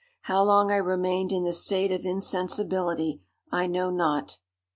How long I remained in this state of insensibility, I know not.